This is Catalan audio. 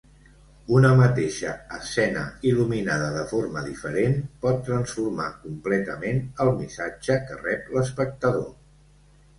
Una mateixa escena il·luminada de forma diferent pot transformar completament el missatge que rep l'espectador.